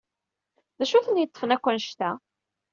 D acu i ten-yeṭṭfen akk anecta?